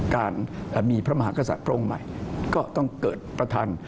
การมีพระมหากษัตริย์พระองค์ใหม่ก็ต้องเกิดประธาน